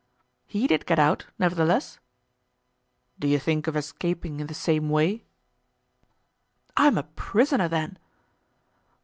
"He did get out, nevertheless." "Do you think of escaping in the same way?" "I am a prisoner, then?"